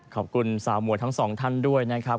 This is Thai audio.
ขอบคุณสาวมวยทั้งสองท่านด้วยนะครับ